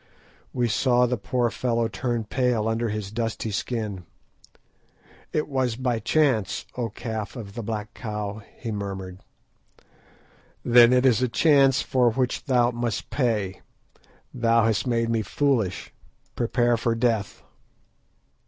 We saw the poor fellow turn pale under his dusky skin. "It was by chance, O Calf of the Black Cow," he murmured. "Then it is a chance for which thou must pay. Thou hast made me foolish; prepare for death."